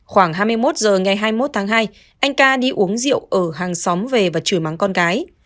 khoảng hai mươi một h ngày hai mươi một tháng hai anh ca đi uống rượu ở hàng xóm về và chửi mắng con gái